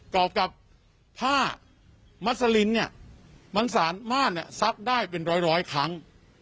รอบกับผ้ามัสลินเนี่ยมันสามารถซักได้เป็นร้อยครั้ง